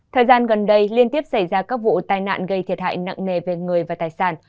thời gian gần đây liên tiếp xảy ra các vụ tai nạn gây thiệt hại nặng nề về người và tài sản